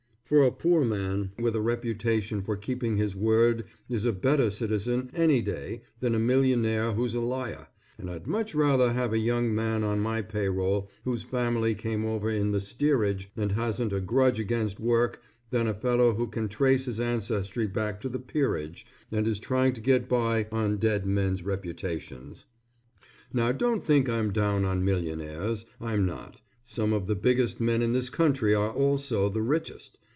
For a poor man with a reputation for keeping his word is a better citizen any day than a millionaire who's a liar, and I'd much rather have a young man on my pay roll, whose family came over in the steerage and hasn't a grudge against work, than a fellow who can trace his ancestry back to the peerage and is trying to get by on dead men's reputations. Now don't think I'm down on millionaires. I'm not; some of the biggest men in this country are also the richest.